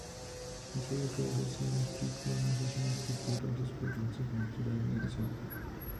En su localidad se implicó en asociaciones culturales, pero pronto se planteó la emigración.